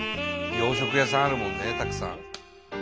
洋食屋さんあるもんねたくさん。